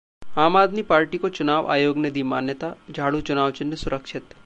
आम आदमी पार्टी को चुनाव आयोग ने दी मान्यता, झाड़ू चुनाव चिह्न सुरक्षित